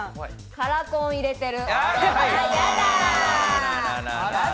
カラコン入れてる。